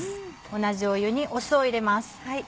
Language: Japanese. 同じ湯に酢を入れます。